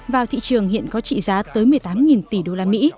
vào thị trường hiện có trị giá tới một mươi tám tỷ usd